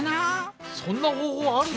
そんな方法あるの？